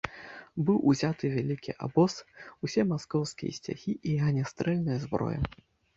Быў узяты вялікі абоз, усе маскоўскія сцягі і агнястрэльная зброя.